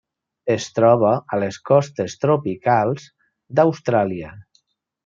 Es troba a les costes tropicals d'Austràlia.